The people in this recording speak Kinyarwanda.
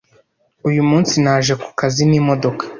Uyu munsi naje ku kazi n'imodoka.